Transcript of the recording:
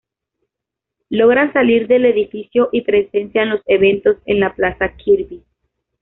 Logran salir del edificio y presencian los eventos en la Plaza Kirby.